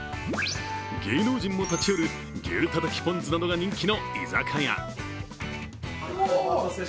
芸能人も立ち寄る牛たたきポン酢なども人気の居酒屋。